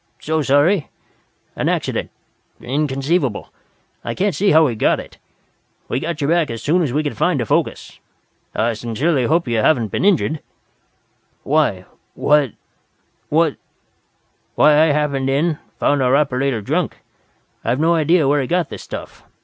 "So sorry an accident inconceivable. I can't see how he got it! We got you back as soon as we could find a focus. I sincerely hope you haven't been injured." "Why what what " "Why I happened in, found our operator drunk. I've no idea where he got the stuff.